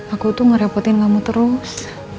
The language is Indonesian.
aku tuh ngerepotin kamu terus